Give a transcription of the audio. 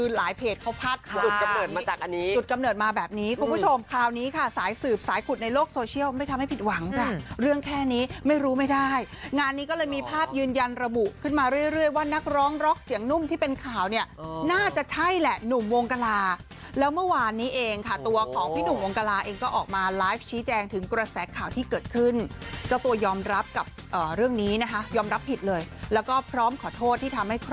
หลังจากเรื่องแค่นี้ไม่รู้ไม่ได้งานนี้ก็เลยมีภาพยืนยันระบุขึ้นมาเรื่อยว่านักร้องล็อกเสียงนุ่มที่เป็นข่าวเนี่ยน่าจะใช่แหละหนุ่มวงกลาแล้วเมื่อวานนี้เองค่ะตัวของพี่หนุ่มวงกลาเองก็ออกมาไลฟ์ชี้แจงถึงกระแสข่าวที่เกิดขึ้นเจ้าตัวยอมรับกับเรื่องนี้นะคะยอมรับผิดเลยแล้วก็พร้อมขอโทษท